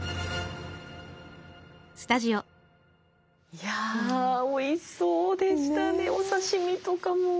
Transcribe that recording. いやおいしそうでしたねお刺身とかも。